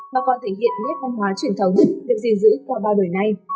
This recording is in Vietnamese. mà còn thể hiện nét văn hóa truyền thống được gìn giữ qua bao đời nay